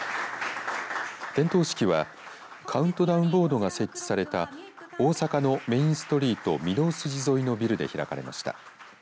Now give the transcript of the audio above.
点灯式はカウントダウンボードが設置された大阪のメインストリート御堂筋沿いのビルで開かれました。